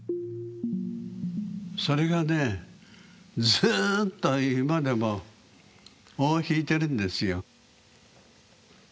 それがねずっと今でも尾を引いてるんですよ。